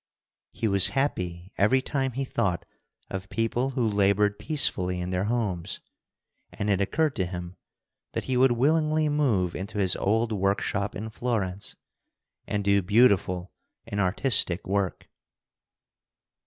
He was happy every time he thought of people who labored peacefully in their homes, and it occurred to him that he would willingly move into his old workshop in Florence and do beautiful and artistic work.